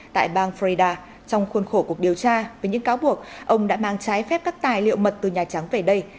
tại bang florida trong khuôn khổ cuộc điều tra với những cáo buộc ông đã mang trái phép các tài liệu mật từ nhà trắng về đây